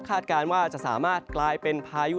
การว่าจะสามารถกลายเป็นพายุ